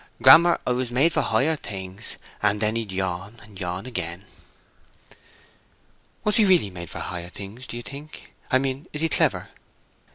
Grammer, I was made for higher things.' And then he'd yawn and yawn again." "Was he really made for higher things, do you think? I mean, is he clever?"